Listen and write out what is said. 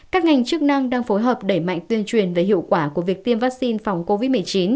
các ngành chức năng đang phối hợp đẩy mạnh tuyên truyền về hiệu quả của việc tiêm vaccine phòng covid một mươi chín